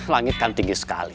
langit kan tinggi sekali